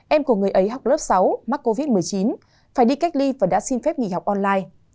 em của người ấy học lớp sáu mắc covid một mươi chín phải đi cách ly và đã xin phép nghỉ học online